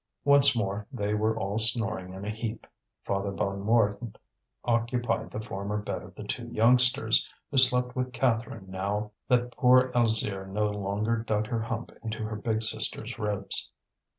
Once more they were all snoring in a heap. Father Bonnemort occupied the former bed of the two youngsters, who slept with Catherine now that poor Alzire no longer dug her hump into her big sister's ribs.